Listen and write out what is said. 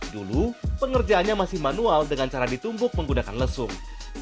dulu pengerjaannya masih manual dengan cara ditumbuk menggunakan lesung